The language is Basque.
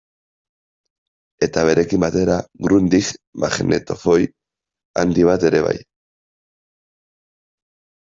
Eta berekin batera Grundig magnetofoi handi bat ere bai.